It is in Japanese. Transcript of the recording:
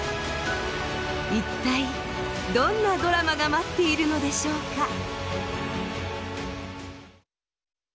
一体どんなドラマが待っているのでしょうか。